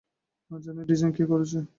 না জানি ডিজাইন কে করেছে?